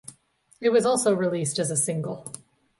It was also released as a single.